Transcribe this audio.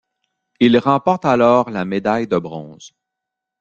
Il remporte alors la médaille de bronze.